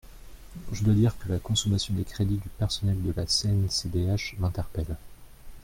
Je dois dire que la consommation des crédits de personnel de la CNCDH m’interpelle.